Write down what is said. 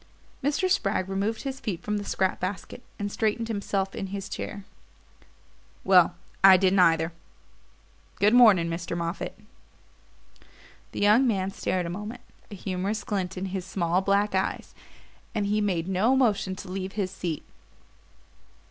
Mr. Spragg removed his feet from the scrap basket and straightened himself in his chair. "Well I didn't either; good morning, Mr. Moffatt." The young man stared a moment, a humorous glint in his small black eyes; but he made no motion to leave his seat.